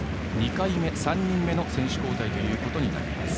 ２回目３人目の選手交代となります。